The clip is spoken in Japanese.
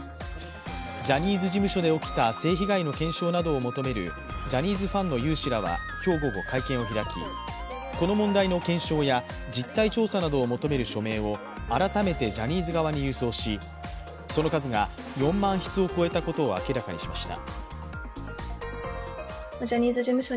ジャニーズ事務所で起きた性被害の検証などを求めるジャニーズファンの有志らは今日午後、会見を開き、この問題の検証や実態調査などを求める署名を改めてジャニーズ側に郵送し、その数が４万筆を超えたことを明らかにしました。